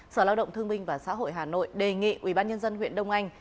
sở lao động thương minh và xã hội hà nội đề nghị ubnd huyện đông anh